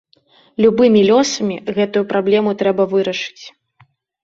Любымі лёсамі гэтую праблему трэба вырашыць!